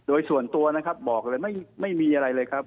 โดยส่วนตัวนะครับบอกเลยไม่มีอะไรเลยครับ